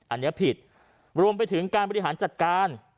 อันนี้ผิดรวมไปถึงการบริหารจัดการ